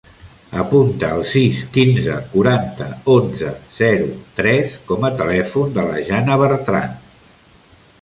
Apunta el sis, quinze, quaranta, onze, zero, tres com a telèfon de la Jana Bertran.